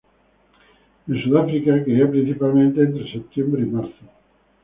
En Sudáfrica cría principalmente entre septiembre y marzo.